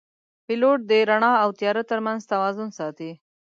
پیلوټ د رڼا او تیاره ترمنځ توازن ساتي.